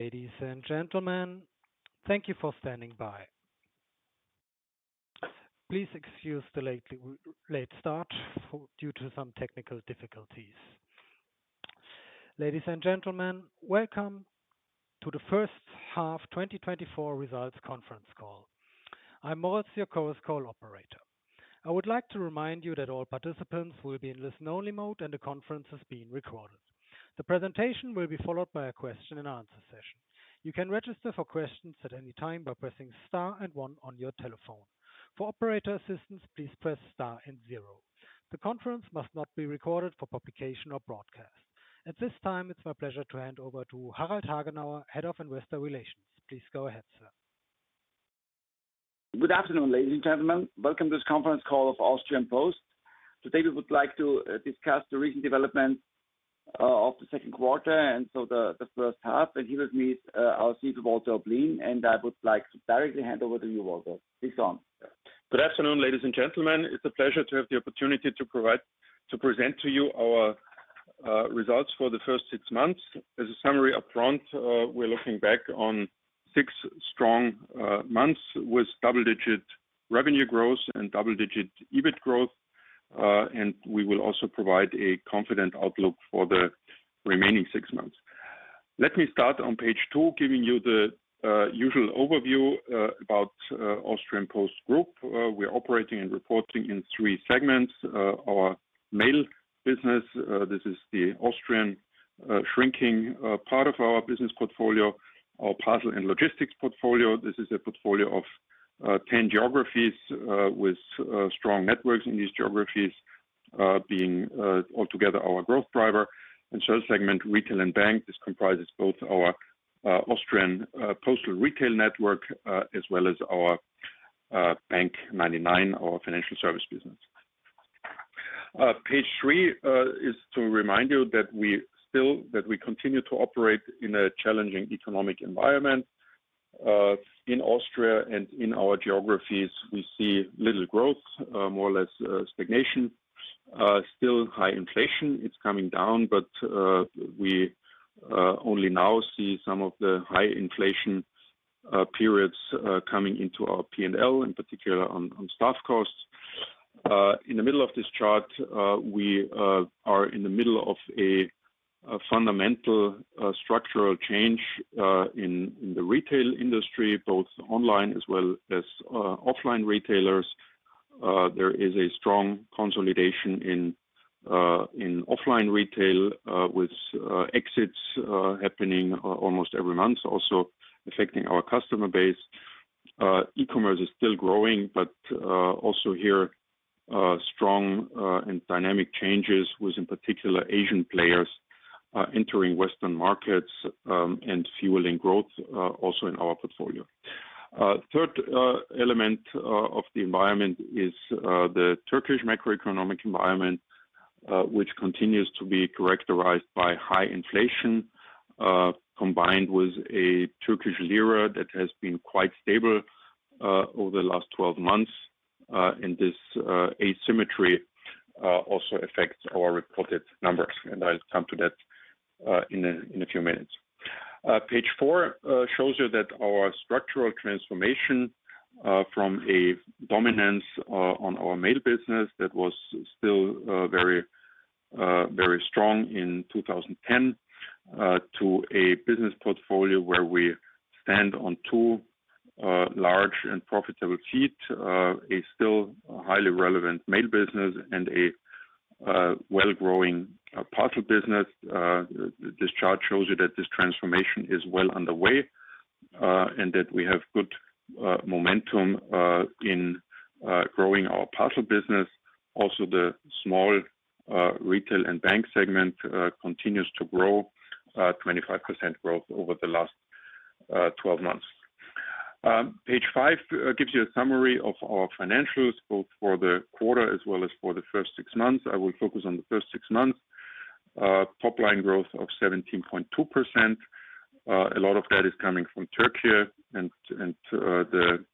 Ladies and gentlemen, thank you for standing by. Please excuse the late start due to some technical difficulties. Ladies and gentlemen, welcome to the first half 2024 results conference call. I'm Moritz, your co-host call operator. I would like to remind you that all participants will be in listen-only mode, and the conference is being recorded. The presentation will be followed by a question and answer session. You can register for questions at any time by pressing star and one on your telephone. For operator assistance, please press star and zero. The conference must not be recorded for publication or broadcast. At this time, it's my pleasure to hand over to Harald Hagenauer, Head of Investor Relations. Please go ahead, sir. Good afternoon, ladies and gentlemen. Welcome to this conference call of Austrian Post. Today, we would like to discuss the recent development of the second quarter, and so the first half. And here with me is our CEO, Walter Oblin, and I would like to directly hand over to you, Walter. Please go on. Good afternoon, ladies and gentlemen. It's a pleasure to have the opportunity to present to you our results for the first six months. As a summary upfront, we're looking back on six strong months with double-digit revenue growth and double-digit EBIT growth, and we will also provide a confident outlook for the remaining six months. Let me start on page two, giving you the usual overview about Austrian Post Group. We're operating and reporting in three segments. Our Mail business, this is the Austrian shrinking part of our business portfolio, our Parcel & Logistics portfolio. This is a portfolio of 10 geographies with strong networks in these geographies, being altogether our growth driver. Third segment, Retail & Bank, this comprises both our Austrian postal retail network as well as our bank99, our financial service business. Page three is to remind you that we still, that we continue to operate in a challenging economic environment. In Austria and in our geographies, we see little growth, more or less, stagnation, still high inflation. It's coming down, but we only now see some of the high inflation periods coming into our P&L, in particular on staff costs. In the middle of this chart, we are in the middle of a fundamental structural change in the retail industry, both online as well as offline retailers. There is a strong consolidation in offline retail with exits happening almost every month, also affecting our customer base. E-commerce is still growing, but also here strong and dynamic changes, with in particular Asian players entering Western markets and fueling growth also in our portfolio. Third element of the environment is the Turkish macroeconomic environment which continues to be characterized by high inflation combined with a Turkish lira that has been quite stable over the last 12 months and this asymmetry also affects our reported numbers, and I'll come to that in a few minutes. Page four shows you that our structural transformation from a dominance on our Mail business that was still very very strong in 2010 to a business portfolio where we stand on two large and profitable feet. A still highly relevant Mail business and a well-growing Parcel business. This chart shows you that this transformation is well underway and that we have good momentum in growing our Parcel business. Also, the small Retail & Bank segment continues to grow, 25% growth over the last 12 months. Page five gives you a summary of our financials, both for the quarter as well as for the first 6 months. I will focus on the first six months. Top line growth of 17.2%. A lot of that is coming from Türkiye, and the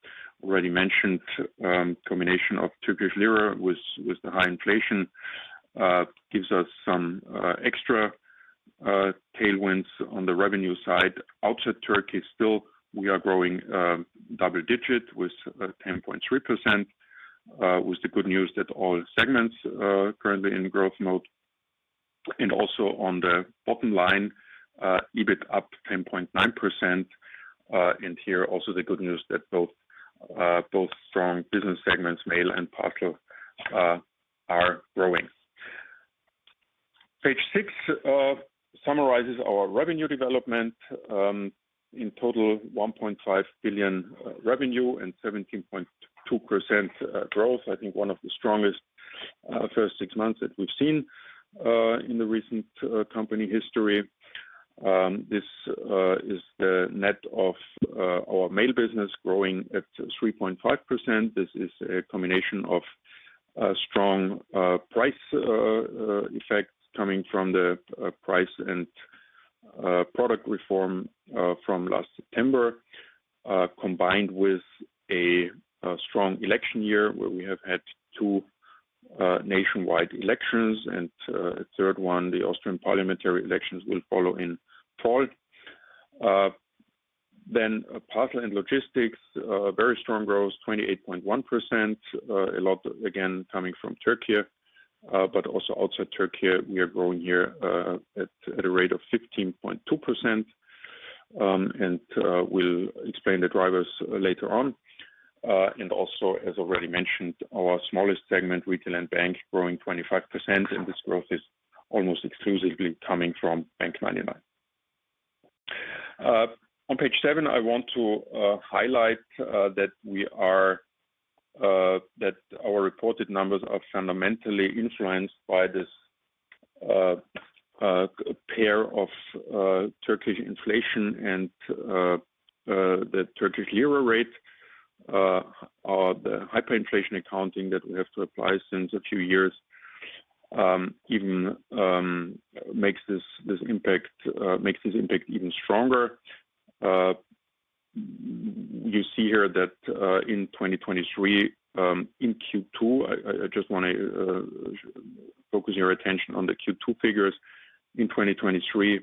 already mentioned combination of Turkish lira with the high inflation gives us some extra tailwinds on the revenue side. Outside Türkiye, still, we are growing double digit with 10.3%, with the good news that all segments are currently in growth mode. And also on the bottom line, EBIT up 10.9%. And here also the good news that both strong business segments, Mail and Parcel, are growing. Page six summarizes our revenue development, in total 1.5 billion revenue and 17.2% growth. I think one of the strongest first six months that we've seen in the recent company history. This is the net of our Mail business growing at 3.5%. This is a combination of strong price effects coming from the price and product reform from last September, combined with a strong election year where we have had two nationwide elections, and a third one, the Austrian parliamentary elections, will follow in fall. Then Parcel & Logistics, very strong growth, 28.1%. A lot again, coming from Türkiye, but also outside Türkiye, we are growing here, at a rate of 15.2%. And we'll explain the drivers later on. And also, as already mentioned, our smallest segment, Retail & Bank, growing 25%, and this growth is almost exclusively coming from bank99. On page seven, I want to highlight that our reported numbers are fundamentally influenced by this period of Turkish inflation and the Turkish lira rate. The hyperinflation accounting that we have to apply since a few years even makes this impact even stronger. You see here that in 2023 in Q2, I just wanna focus your attention on the Q2 figures. In 2023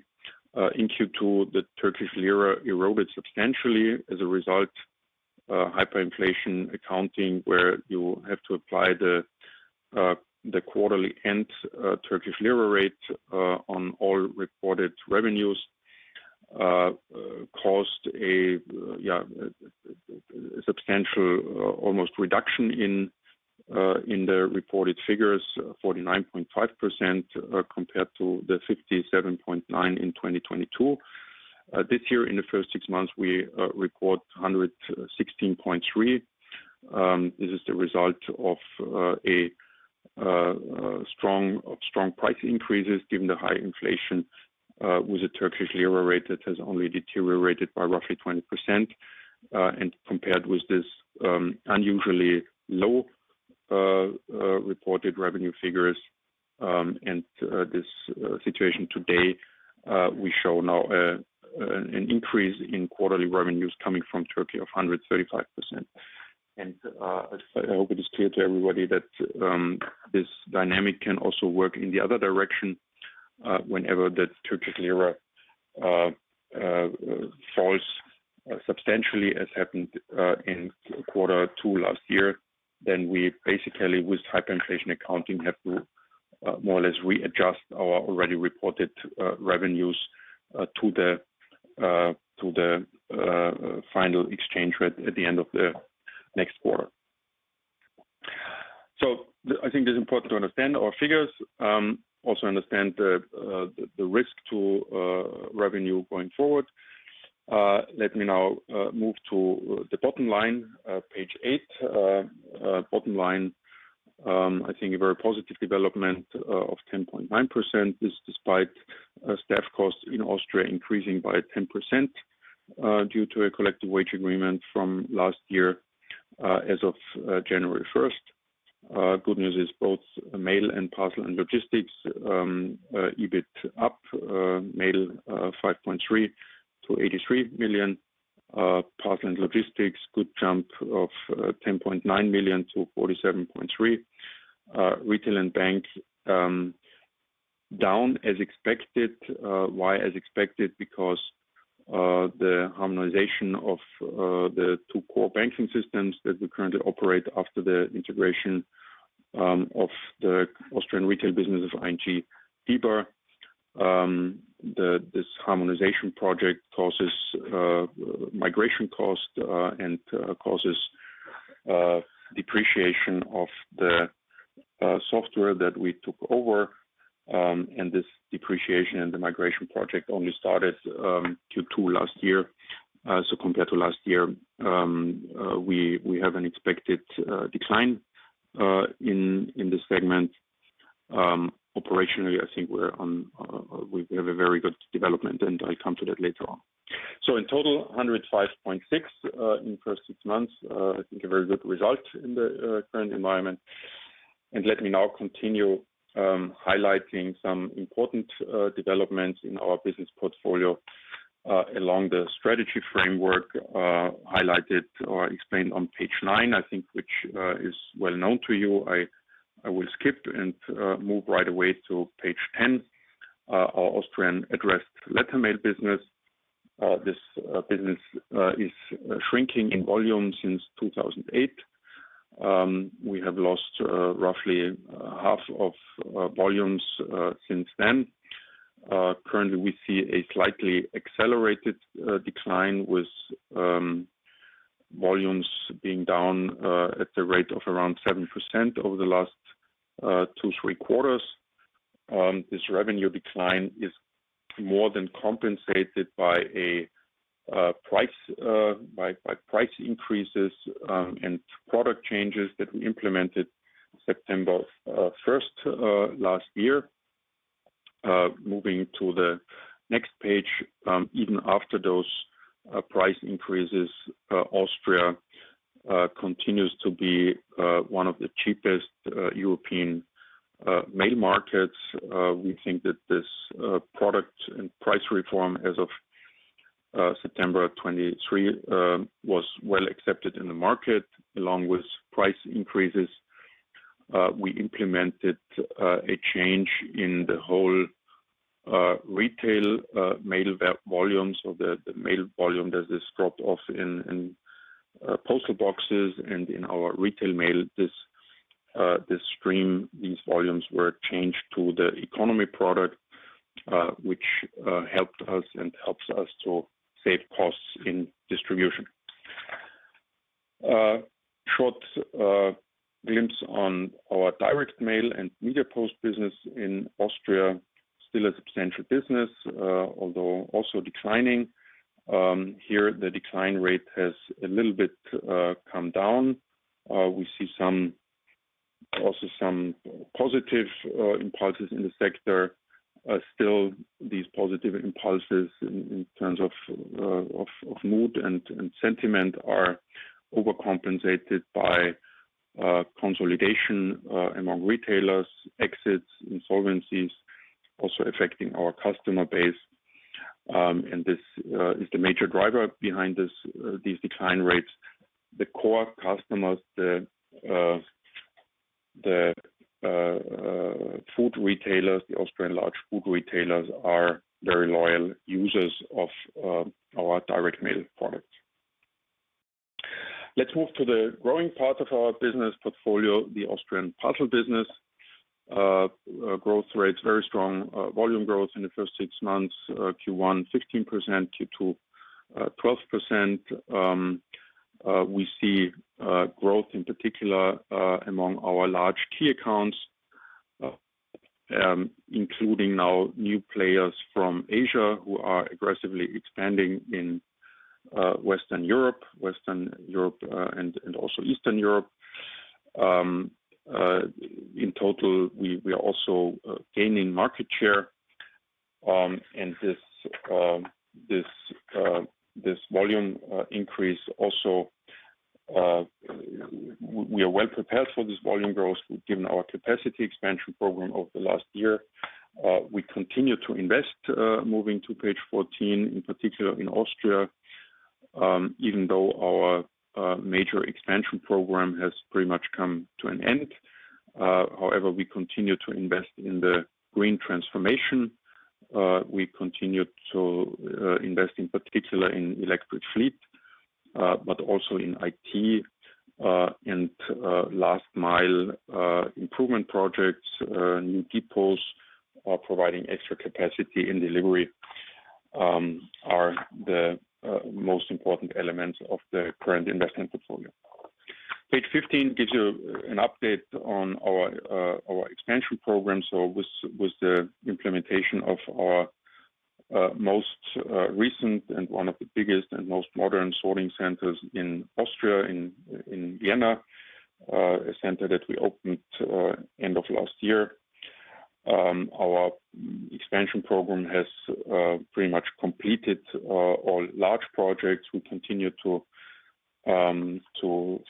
in Q2, the Turkish lira eroded substantially as a result of hyperinflation accounting, where you have to apply the quarterly end Turkish lira rate on all reported revenues. Caused a substantial almost reduction in the reported figures, 49.5%, compared to the 57.9% in 2022. This year, in the first six months, we report 116.3%. This is the result of a strong, strong price increases given the high inflation with the Turkish lira rate, that has only deteriorated by roughly 20%. And compared with this unusually low reported revenue figures, and this situation today, we show now an increase in quarterly revenues coming from Türkiye of 135%. I hope it is clear to everybody that this dynamic can also work in the other direction, whenever the Turkish lira falls substantially, as happened in quarter two last year, then we basically, with hyperinflation accounting, have to more or less readjust our already reported revenues to the final exchange rate at the end of the next quarter. So I think it's important to understand our figures, also understand the risk to revenue going forward. Let me now move to the bottom line. Page eight. Bottom line, I think a very positive development of 10.9% is despite staff costs in Austria increasing by 10%, due to a collective wage agreement from last year, as of January first. Good news is both Mail and Parcel & Logistics, EBIT up, Mail, 5.3 million to 83 million, Parcel & Logistics, good jump of 10.9 million to 47.3 million. Retail & Bank, down as expected. Why as expected? Because the harmonization of the two core banking systems that we currently operate after the integration of the Austrian Retail business of ING. This harmonization project causes migration cost and causes depreciation of the software that we took over. And this depreciation and the migration project only started Q2 last year. So compared to last year, we have an expected decline in this segment. Operationally, I think we're on, we have a very good development, and I'll come to that later on. So in total, 105.6 million in the first six months, I think a very good result in the current environment. And let me now continue, highlighting some important developments in our business portfolio, along the strategy framework, highlighted or explained on page nine, I think, which is well known to you. I, I will skip and, move right away to page 10. Our Austrian Addressed Letter Mail business. This business is shrinking in volume since 2008. We have lost roughly half of volumes since then. Currently, we see a slightly accelerated decline with volumes being down at the rate of around 7% over the last two, three quarters. This revenue decline is more than compensated by price increases and product changes that we implemented September 1 last year. Moving to the next page, even after those price increases, Austria continues to be one of the cheapest European main markets. We think that this product and price reform as of September 2023 was well accepted in the market, along with price increases. We implemented a change in the whole retail mail volumes, or the mail volume that is dropped off in postal boxes and in our retail mail. This, this stream, these volumes were changed to the Economy product, which helped us and helps us to save costs in distribution. Short glimpse on our Direct Mail and Media Post business in Austria. Still a substantial business, although also declining. Here, the decline rate has a little bit come down. We see some, also some positive impulses in the sector. Still, these positive impulses in terms of mood and sentiment are overcompensated by consolidation among retailers, exits, insolvencies, also affecting our customer base. And this is the major driver behind these decline rates. The core customers, the food retailers, the Austrian large food retailers, are very loyal users of our Direct Mail products. Let's move to the growing part of our business portfolio, the Austrian Parcel business. Growth rates, very strong, volume growth in the first six months, Q1, 15%, Q2, 12%. We see growth, in particular, among our large key accounts, including now new players from Asia who are aggressively expanding in Western Europe and also Eastern Europe. In total, we are also gaining market share, and this volume increase also, we are well prepared for this volume growth, given our capacity expansion program over the last year. We continue to invest, moving to page 14, in particular in Austria, even though our major expansion program has pretty much come to an end. However, we continue to invest in the green transformation. We continue to invest, in particular in electric fleet, but also in IT, and last mile improvement projects. New depots are providing extra capacity in delivery, are the most important elements of the current investment portfolio. Page 15 gives you an update on our, our expansion program, so with, with the implementation of our, most recent and one of the biggest and most modern sorting centers in Austria, in Vienna. A center that we opened end of last year. Our expansion program has pretty much completed all large projects. We continue to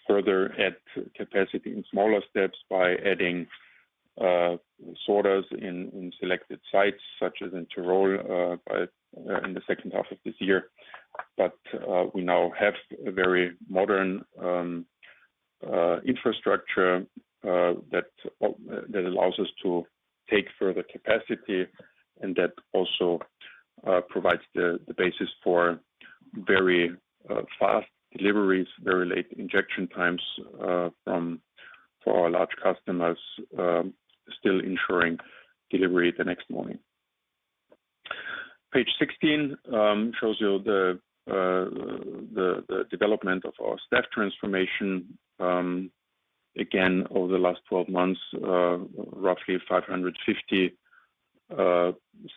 further add capacity in smaller steps by adding sorters in selected sites, such as in Tyrol, by in the second half of this year. But, we now have a very modern infrastructure that allows us to take further capacity, and that also provides the basis for very fast deliveries, very late injection times from... for our large customers, still ensuring delivery the next morning. Page 16 shows you the development of our staff transformation. Again, over the last 12 months, roughly 550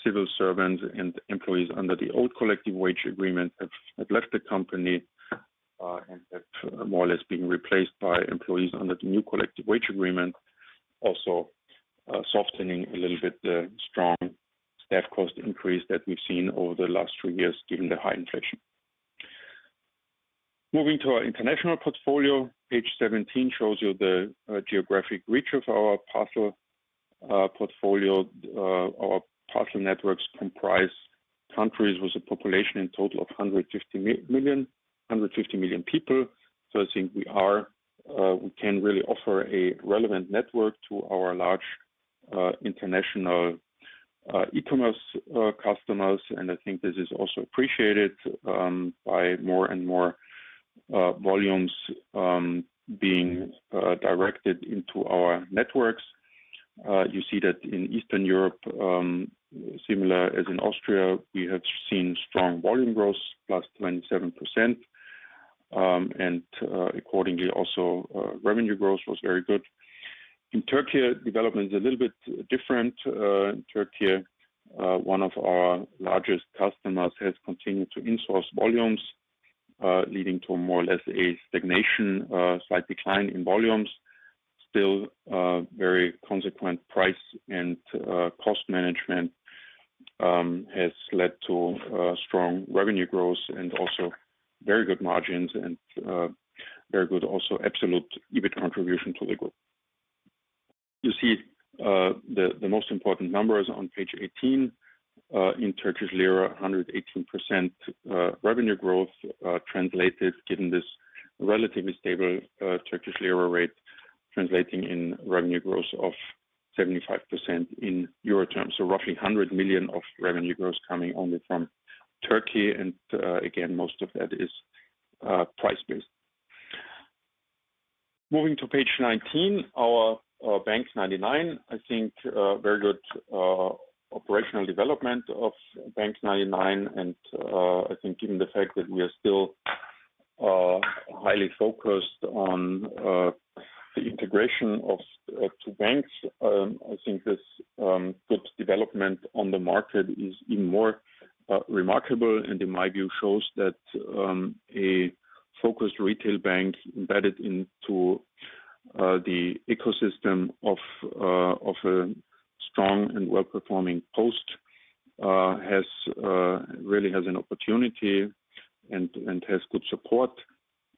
civil servants and employees under the old collective wage agreement have left the company and have more or less been replaced by employees under the new collective wage agreement. Also, softening a little bit, the strong staff cost increase that we've seen over the last two years, given the high inflation. Moving to our international portfolio, page 17 shows you the geographic reach of our Parcel portfolio. Our parcel networks comprise countries with a population in total of 150 million people. So I think we can really offer a relevant network to our large international e-commerce customers. And I think this is also appreciated by more and more volumes being directed into our networks. You see that in Eastern Europe, similar as in Austria, we have seen strong volume growth, plus 27%. And accordingly, also revenue growth was very good. In Türkiye, development is a little bit different. In Türkiye, one of our largest customers has continued to insource volumes, leading to a more or less a stagnation, slight decline in volumes. Still, very consequent price and cost management has led to strong revenue growth and also very good margins and very good also absolute EBIT contribution to the group. You see, the most important numbers on page 18 in Turkish lira, 118% revenue growth, translated, given this relatively stable Turkish lira rate, translating in revenue growth of 75% in Euro terms. So roughly 100 million of revenue growth coming only from Türkiye, and again, most of that is price-based. Moving to page 19, our bank99, I think, a very good operational development of bank99. I think given the fact that we are still highly focused on the integration of two banks, I think this good development on the market is even more remarkable, and in my view, shows that a focused retail bank embedded into the ecosystem of a strong and well-performing post really has an opportunity and has good support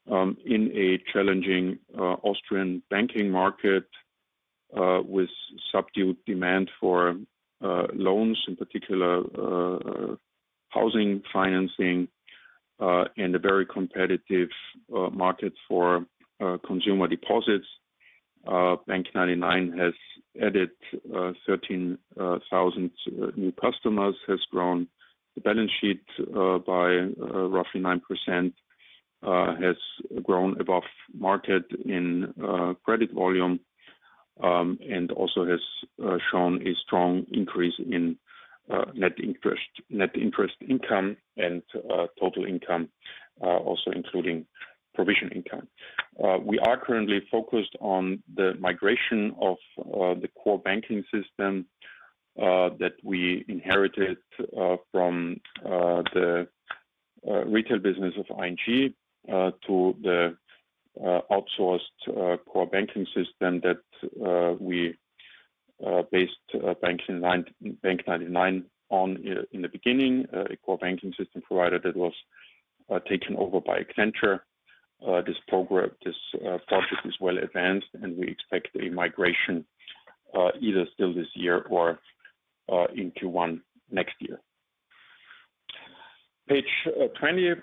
in a challenging Austrian banking market with subdued demand for loans, in particular, housing financing, and a very competitive market for consumer deposits. bank99 has added 13,000 new customers, has grown the balance sheet by roughly 9%, has grown above market in credit volume, and also has shown a strong increase in net interest income and total income, also including provision income. We are currently focused on the migration of the core banking system that we inherited from the Retail business of ING to the outsourced core banking system that we based bank99 on in the beginning, a core banking system provider that was taken over by Accenture. This program, this project is well advanced, and we expect a migration either still this year or into Q1 next year. Page 20,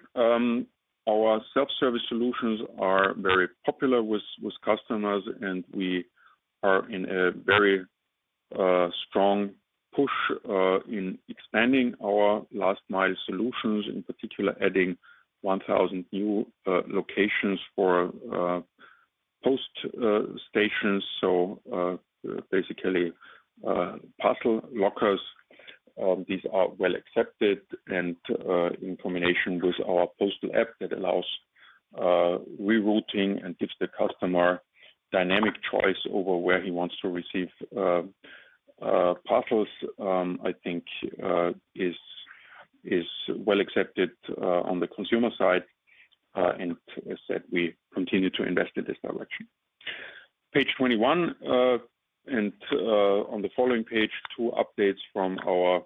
our self-service solutions are very popular with, with customers, and we are in a very, strong push, in expanding our last mile solutions, in particular, adding 1,000 new locations for post stations. So, basically, parcel lockers, these are well accepted and, in combination with our postal app that allows rerouting and gives the customer dynamic choice over where he wants to receive parcels, I think is well accepted on the consumer side, and as I said, we continue to invest in this direction. Page 21, and on the following page, two updates from our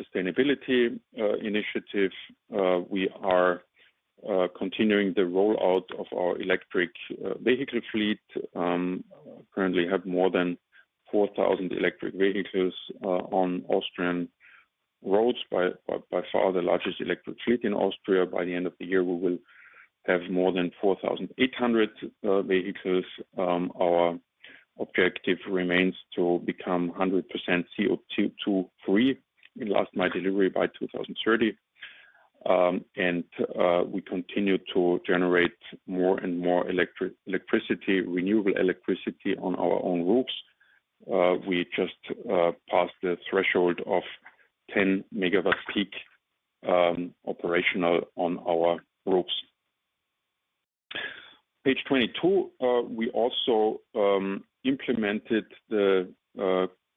sustainability initiative. We are continuing the rollout of our electric vehicle fleet. Currently, we have more than 4,000 electric vehicles on Austrian roads, by far the largest electric fleet in Austria. By the end of the year, we will have more than 4,800 vehicles. Our objective remains to become 100% CO2-free in last mile delivery by 2030. We continue to generate more and more electricity, renewable electricity on our own roofs. We just passed the threshold of 10 megawatt peak operational on our roofs. Page 22, we also implemented the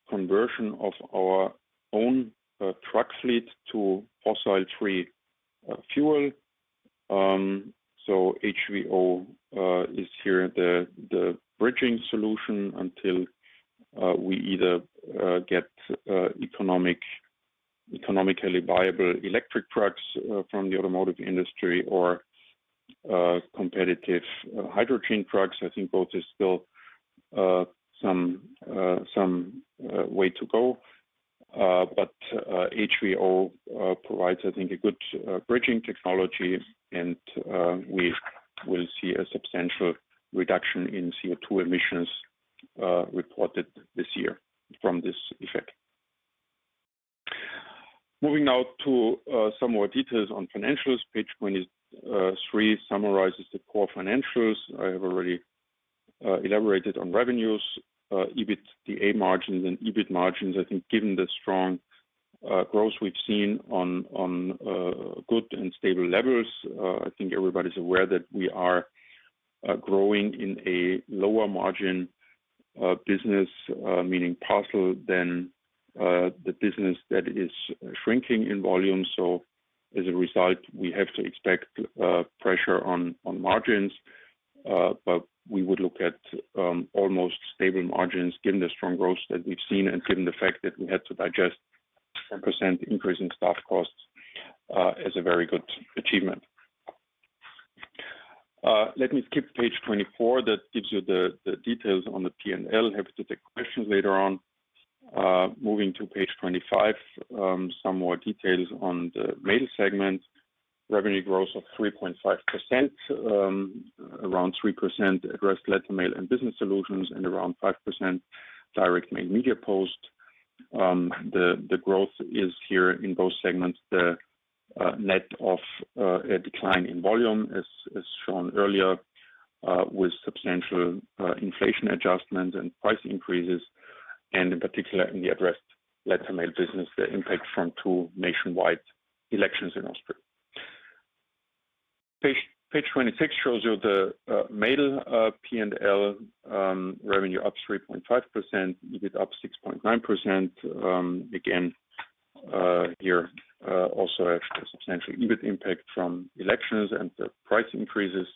conversion of our own truck fleet to fossil-free fuel. HVO is here the bridging solution until we either get economically viable electric trucks from the automotive industry or competitive hydrogen trucks. I think both is still some way to go. But HVO provides, I think, a good bridging technology, and we will see a substantial reduction in CO2 emissions reported this year from this effect. Moving now to some more details on financials. Page 23 summarizes the core financials. I have already elaborated on revenues, EBITDA margins and EBIT margins. I think, given the strong growth we've seen on good and stable levels, I think everybody's aware that we are growing in a lower margin business, meaning parcel, than the business that is shrinking in volume. So as a result, we have to expect pressure on margins. But we would look at almost stable margins, given the strong growth that we've seen and given the fact that we had to digest 10% increase in staff costs, is a very good achievement. Let me skip page 24. That gives you the details on the P&L. Happy to take questions later on. Moving to page 25, some more details on the Mail segment. Revenue growth of 3.5%, around 3%, Addressed Letter Mail and business solutions, and around 5% Direct Mail, Media Post. The growth is here in both segments, the net of a decline in volume, as shown earlier, with substantial inflation adjustments and price increases, and in particular, in the Addressed Letter Mail business, the impact from two nationwide elections in Austria. Page 26 shows you the Mail P&L, revenue up 3.5%, EBIT up 6.9%. Again, here also actually a substantial EBIT impact from elections and the price increases.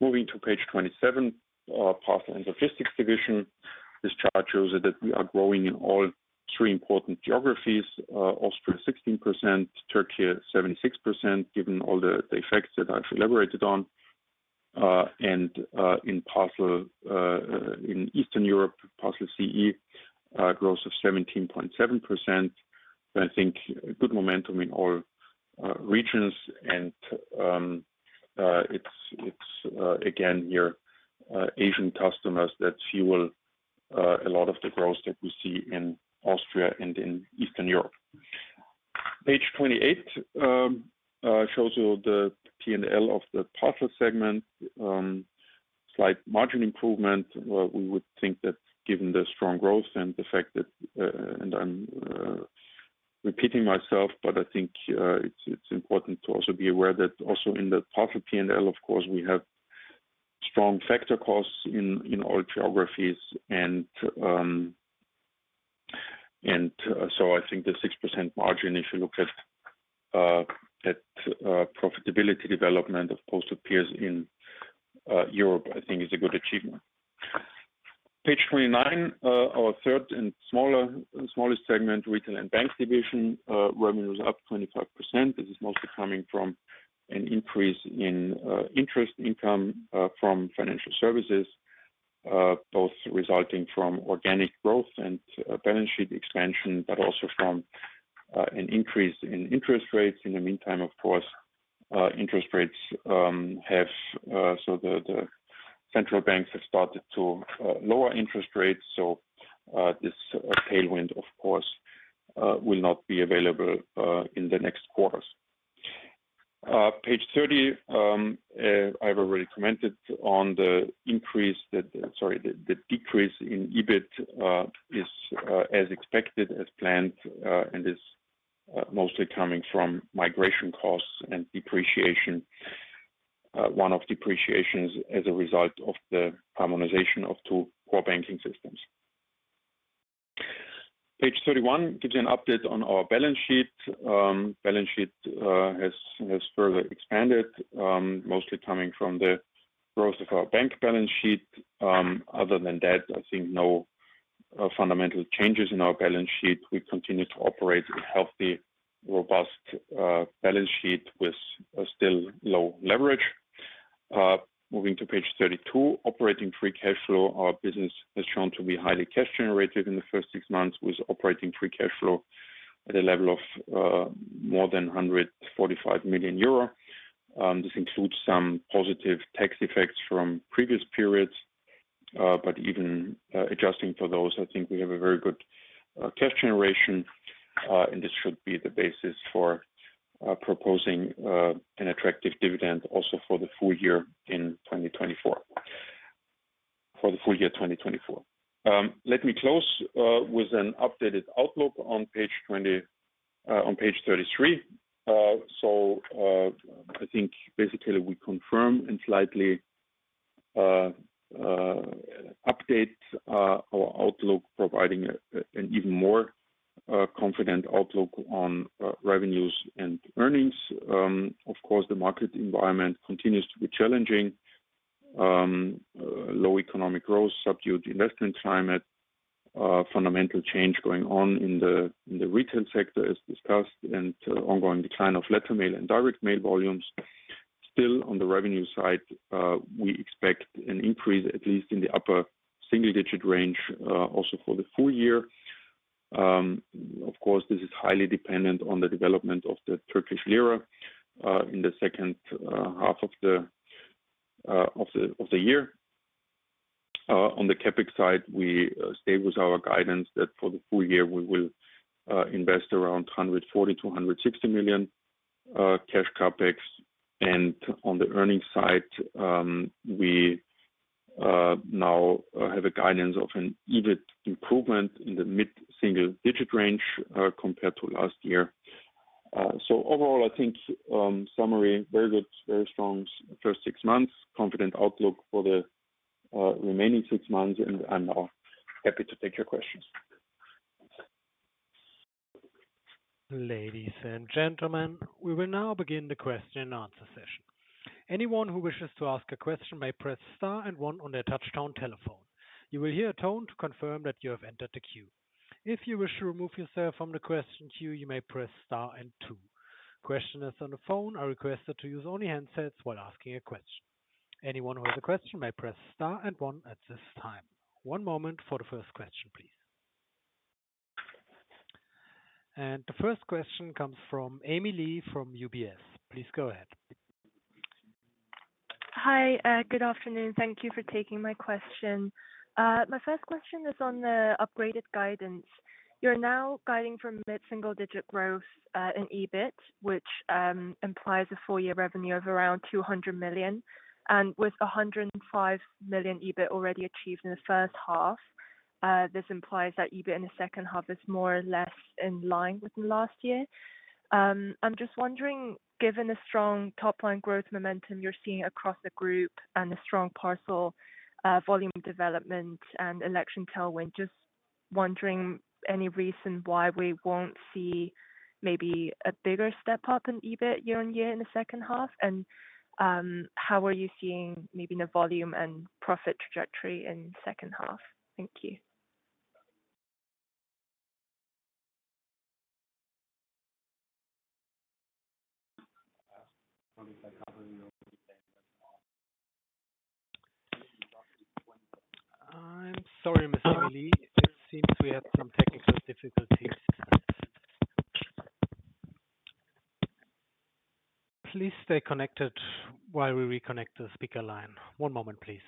Moving to page 27, Parcel & Logistics division. This chart shows that we are growing in all three important geographies. Austria 16%, Türkiye 76%, given all the effects that I've elaborated on. And in Eastern Europe, Parcel CEE growth of 17.7%. I think good momentum in all regions and it's again your Asian customers that fuel a lot of the growth that we see in Austria and in Eastern Europe. Page 28 shows you the P&L of the Parcel segment. Slight margin improvement. We would think that given the strong growth and the fact that, and I'm repeating myself, but I think it's important to also be aware that also in the Parcel P&L, of course, we have strong factor costs in all geographies. So I think the 6% margin, if you look at profitability development of postal peers in Europe, I think is a good achievement. Page 29, our third and smallest segment, Retail & Bank division, revenue is up 25%. This is mostly coming from an increase in interestb income from financial services both resulting from organic growth and balance sheet expansion, but also from an increase in interest rates. In the meantime, of course, interest rates have, so the central banks have started to lower interest rates, so this tailwind, of course, will not be available in the next quarters. Page 30, I've already commented on the increase that sorry, the decrease in EBIT is, as expected, as planned, and is mostly coming from migration costs and depreciation. One-off depreciations as a result of the harmonization of two core banking systems. Page 31 gives you an update on our balance sheet. Balance sheet has further expanded, mostly coming from the growth of our bank balance sheet. Other than that, I think no fundamental changes in our balance sheet. We continue to operate a healthy, robust balance sheet with a still low leverage. Moving to page 32, operating free cash flow. Our business has shown to be highly cash generative in the first six months, with operating free cash flow at a level of more than 145 million euro. This includes some positive tax effects from previous periods, but even adjusting for those, I think we have a very good cash generation, and this should be the basis for proposing an attractive dividend also for the full year in 2024. For the full year 2024. Let me close with an updated outlook on page 20 on page 33. So, I think basically we confirm and slightly update our outlook, providing an even more confident outlook on revenues and earnings. Of course, the market environment continues to be challenging. Low economic growth, subdued investment climate, fundamental change going on in the Retail sector, as discussed, and ongoing decline of Letter Mail and Direct Mail volumes. Still, on the revenue side, we expect an increase, at least in the upper single-digit range, also for the full year. Of course, this is highly dependent on the development of the Turkish lira in the second half of the year. On the CapEx side, we stay with our guidance that for the full year, we will invest around 140 million-160 million cash CapEx. And on the earnings side, we now have a guidance of an EBIT improvement in the mid-single digit range, compared to last year. Overall, I think, summary, very good, very strong first six months, confident outlook for the remaining six months, and I'm now happy to take your questions. Ladies and gentlemen, we will now begin the question and answer session. Anyone who wishes to ask a question may press star and one on their touchtone telephone. You will hear a tone to confirm that you have entered the queue. If you wish to remove yourself from the question queue, you may press star and two. Questioners on the phone are requested to use only handsets while asking a question. Anyone who has a question may press star and one at this time. One moment for the first question, please. The first question comes from Amy Lo from UBS. Please go ahead. Hi, good afternoon. Thank you for taking my question. My first question is on the upgraded guidance. You're now guiding for mid-single-digit growth in EBIT, which implies a full year revenue of around 200 million. With 105 million EBIT already achieved in the first half, this implies that EBIT in the second half is more or less in line with last year. I'm just wondering, given the strong top line growth momentum you're seeing across the group and the strong parcel volume development and election tailwind, just wondering, any reason why we won't see maybe a bigger step up in EBIT year-on-year in the second half? And how are you seeing maybe the volume and profit trajectory in second half? Thank you. I'm sorry, Ms. Amy Lo. It seems we have some technical difficulties. Please stay connected while we reconnect the speaker line. One moment, please.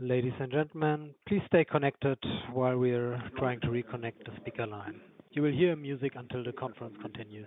Ladies and gentlemen, please stay connected while we're trying to reconnect the speaker line. You will hear music until the conference continues.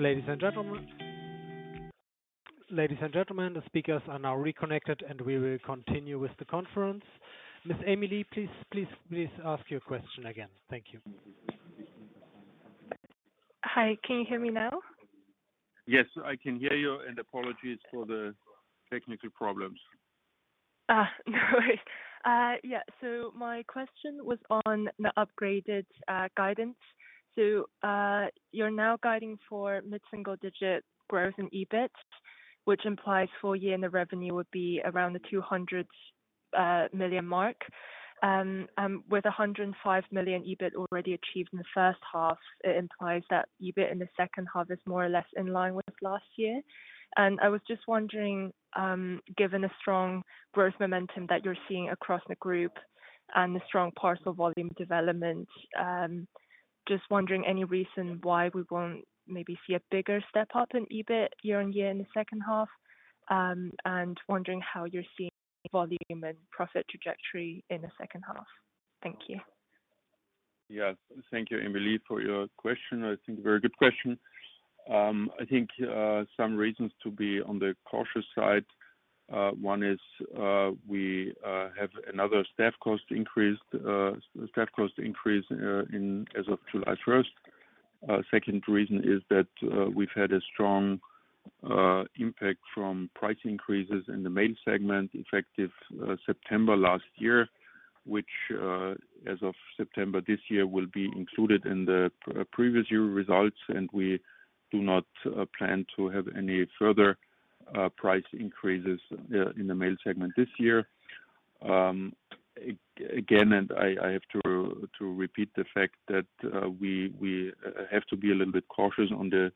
Ladies and gentlemen. Ladies and gentlemen, the speakers are now reconnected, and we will continue with the conference. Ms. Amy Lo, please, please, please ask your question again. Thank you. Hi, can you hear me now? Yes, I can hear you, and apologies for the technical problems. No worries. Yeah, so my question was on the upgraded guidance. So, you're now guiding for mid-single-digit growth in EBIT, which implies full year, and the revenue would be around 200 million mark. And with 105 million EBIT already achieved in the first half, it implies that EBIT in the second half is more or less in line with last year. And I was just wondering, given the strong growth momentum that you're seeing across the group and the strong parcel volume development, just wondering, any reason why we won't maybe see a bigger step up in EBIT year-over-year in the second half? And wondering how you're seeing volume and profit trajectory in the second half. Thank you. Yes. Thank you, Amy Lo, for your question. I think a very good question. I think, some reasons to be on the cautious side. One is, we, have another staff cost increase, staff cost increase, in as of July first. Second reason is that, we've had a strong, impact from price increases in the Mail segment, effective, September last year, which, as of September this year, will be included in the previous year results, and we do not, plan to have any further, price increases, in the Mail segment this year. Again, and I, I have to, to repeat the fact that, we, we, have to be a little bit cautious on the,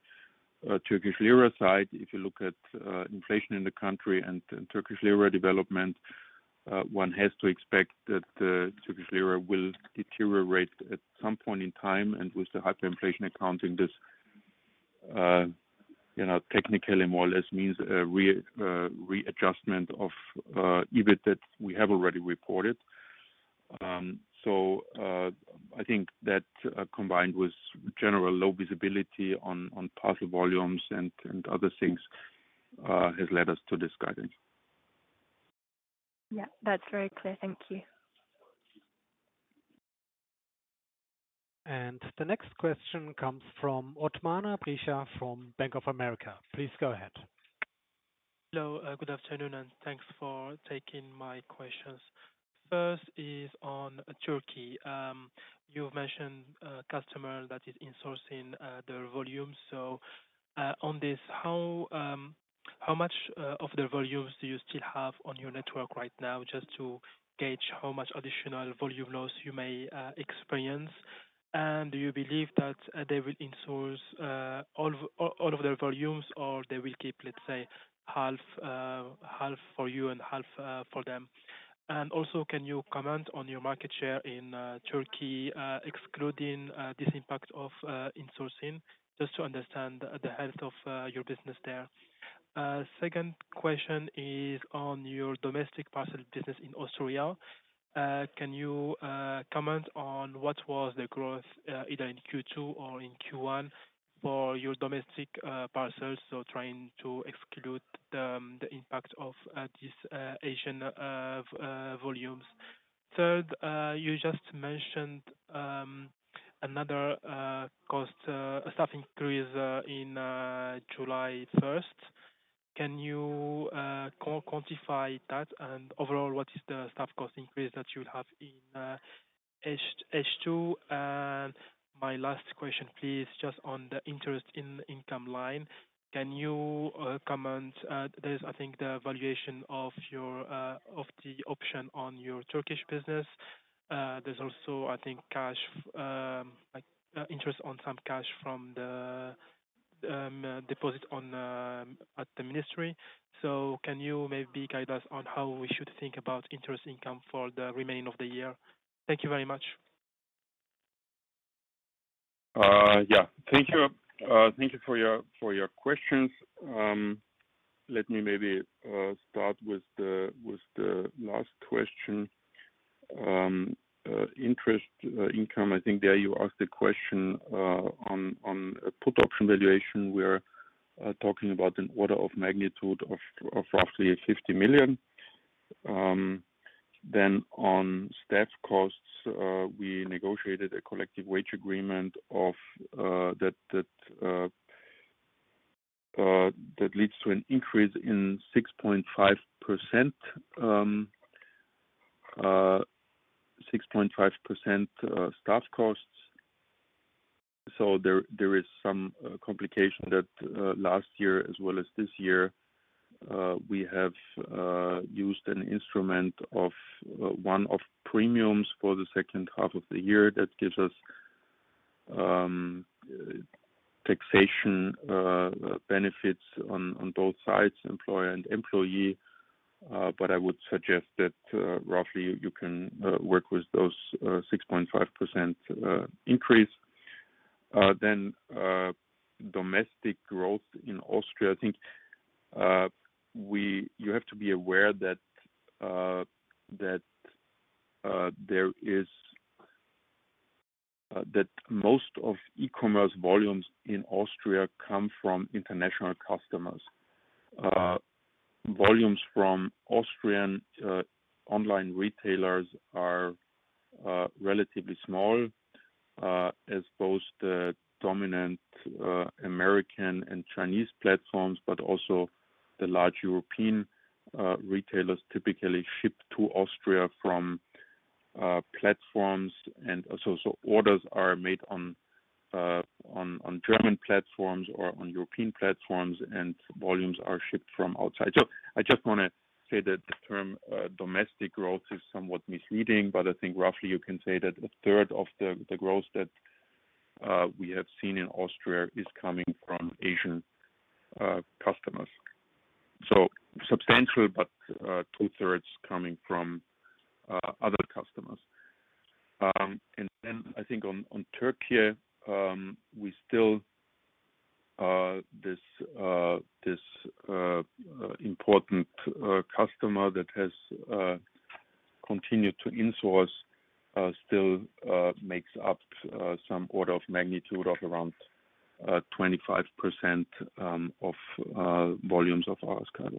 Turkish lira side. If you look at inflation in the country and Turkish lira development, one has to expect that the Turkish lira will deteriorate at some point in time. And with the hyperinflation accounting, this, you know, technically more or less means a readjustment of EBIT that we have already reported. So, I think that, combined with general low visibility on parcel volumes and other things, has led us to this guidance. Yeah, that's very clear. Thank you. And the next question comes from Othmane Bricha from Bank of America. Please go ahead. Hello. Good afternoon, and thanks for taking my questions. First is on Türkiye. You've mentioned a customer that is insourcing their volumes. So, on this, how much of the volumes do you still have on your network right now, just to gauge how much additional volume loss you may experience? And do you believe that they will insource all of their volumes, or they will keep, let's say, half, half for you and half for them? And also, can you comment on your market share in Türkiye, excluding this impact of insourcing, just to understand the health of your business there. Second question is on your domestic Parcel business in Austria. Can you comment on what was the growth, either in Q2 or in Q1 for your domestic parcels? So trying to exclude the impact of this Asian volumes. Third, you just mentioned another staff cost increase in July first. Can you quantify that? And overall, what is the staff cost increase that you have in H2? And my last question, please, just on the interest income line. Can you comment, there's, I think, the valuation of your option on your Turkish business. There's also, I think, cash like interest on some cash from the deposit at the ministry. So can you maybe guide us on how we should think about interest income for the remaining of the year? Thank you very much. Yeah. Thank you. Thank you for your questions. Let me maybe start with the last question. Interest income, I think there you asked the question on put option valuation. We're talking about an order of magnitude of roughly 50 million. Then on staff costs, we negotiated a Collective Wage Agreement that leads to an increase in 6.5% staff costs. So there is some complication that last year as well as this year, we have used an instrument of one of premiums for the second half of the year. That gives us taxation benefits on both sides, employer and employee. But I would suggest that, roughly you can work with those 6.5% increase. Then, domestic growth in Austria, I think, you have to be aware that most of e-commerce volumes in Austria come from international customers. Volumes from Austrian online retailers are relatively small, as both the dominant American and Chinese platforms, but also the large European retailers typically ship to Austria from platforms. And also, so orders are made on German platforms or on European platforms, and volumes are shipped from outside. So I just want to say that the term domestic growth is somewhat misleading, but I think roughly you can say that a third of the growth that we have seen in Austria is coming from Asian customers. So substantial, but two-thirds coming from other customers. And then I think on Türkiye, we still this important customer that has continue to insource still makes up some order of magnitude of around 25% of volumes of our schedule.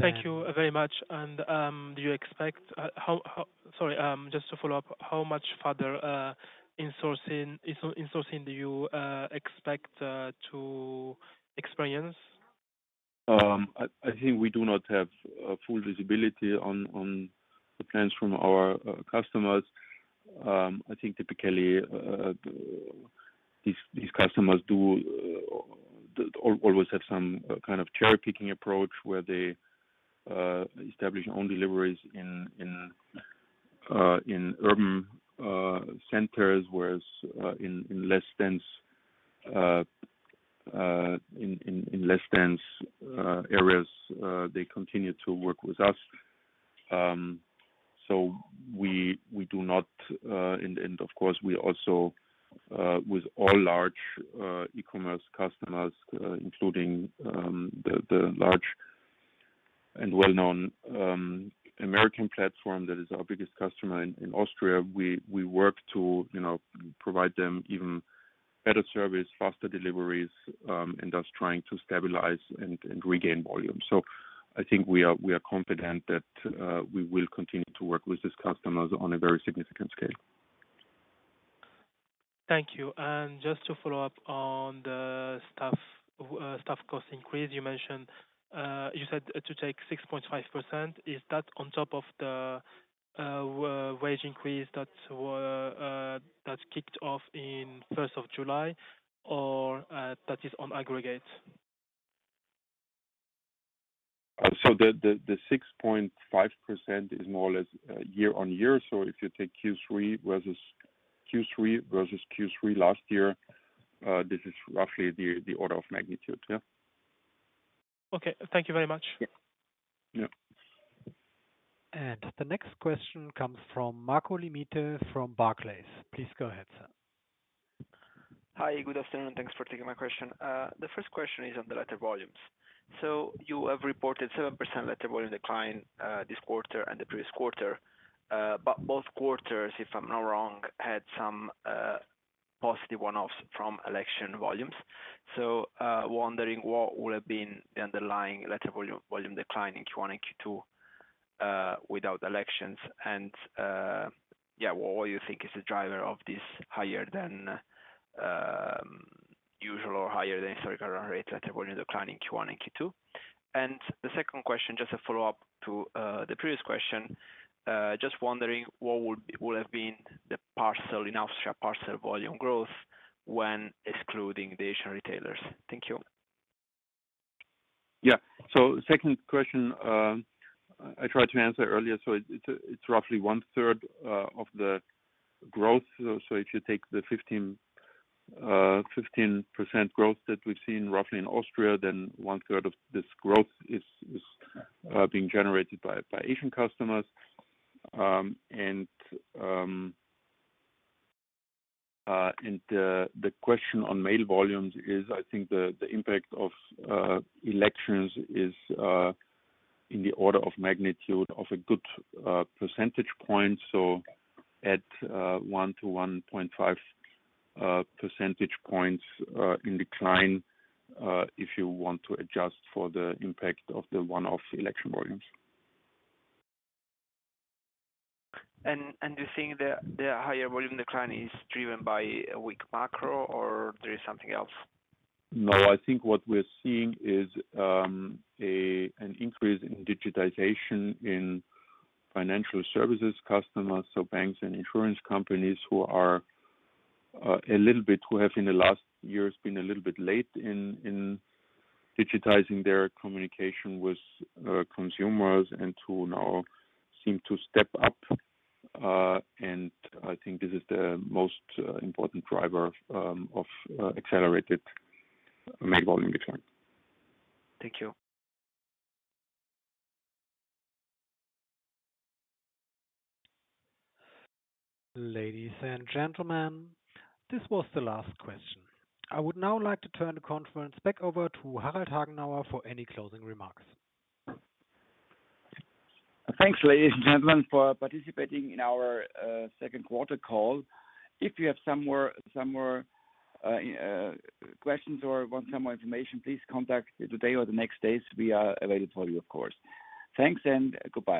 Thank you very much. Sorry, just to follow up, how much further insourcing do you expect to experience? I think we do not have full visibility on the plans from our customers. I think typically these customers do always have some kind of cherry-picking approach, where they establish their own deliveries in urban centers, whereas in less dense areas they continue to work with us. So we do not, and of course we also with all large e-commerce customers, including the large and well-known American platform that is our biggest customer in Austria, we work to, you know, provide them even better service, faster deliveries, and thus trying to stabilize and regain volume. So I think we are, we are confident that we will continue to work with these customers on a very significant scale. Thank you. Just to follow up on the staff cost increase, you mentioned, you said it to take 6.5%. Is that on top of the wage increase that kicked off in July 1, or that is on aggregate? So the 6.5% is more or less year-over-year. So if you take Q3 versus Q3 last year, this is roughly the order of magnitude. Yeah. Okay. Thank you very much. Yeah. Yeah. The next question comes from Marco Limite from Barclays. Please go ahead, sir. Hi, good afternoon. Thanks for taking my question. The first question is on the letter volumes. So you have reported 7% letter volume decline this quarter and the previous quarter. But both quarters, if I'm not wrong, had some positive one-offs from election volumes. So, wondering what would have been the underlying letter volume decline in Q1 and Q2 without elections? And, yeah, what you think is the driver of this higher than usual or higher than circular rate letter volume decline in Q1 and Q2? And the second question, just a follow-up to the previous question. Just wondering, what would have been the parcel in Austria parcel volume growth when excluding the Asian retailers? Thank you. Yeah. So second question, I tried to answer earlier, so it's, it's roughly one third of the growth. So if you take the 15%, 15% growth that we've seen, roughly in Austria, then one third of this growth is, is being generated by, by Asian customers. And, and the question on mail volumes is, I think the, the impact of elections is in the order of magnitude of a good percentage point, so at 1-1.5 percentage points in decline, if you want to adjust for the impact of the one-off election volumes. You think the higher volume decline is driven by a weak macro, or there is something else? No, I think what we're seeing is an increase in digitization in financial services customers. So banks and insurance companies who have, in the last years, been a little bit late in digitizing their communication with consumers and to now seem to step up. And I think this is the most important driver of accelerated mail volume decline. Thank you. Ladies and gentlemen, this was the last question. I would now like to turn the conference back over to Harald Hagenauer for any closing remarks. Thanks, ladies and gentlemen, for participating in our second quarter call. If you have some more questions or want some more information, please contact today or the next days. We are available for you, of course. Thanks and goodbye.